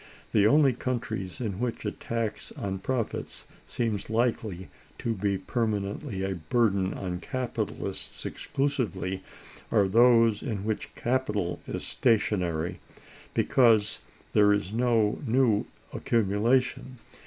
The only countries in which a tax on profits seems likely to be permanently a burden on capitalists exclusively are those in which capital is stationary, because there is no new accumulation.